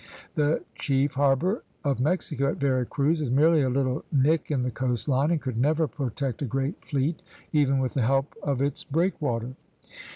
The chief harbor of Mexico at Vera Cruz is merely a little nick in the coast line and could never protect a great fleet, even with the help of its breakwater.